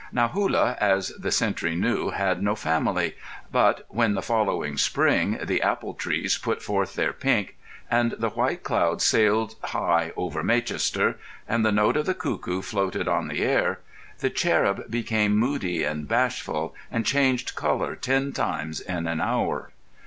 Now Hullah, as the sentry knew, had no family; but when, the following spring, the apple trees put forth their pink, and the white clouds sailed high over Maychester, and the note of the cuckoo floated on the air, the cherub became moody and bashful and changed colour ten times in an hour.